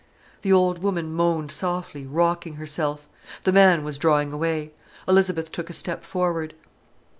The old woman moaned softly, rocking herself. The man was drawing away. Elizabeth took a step forward.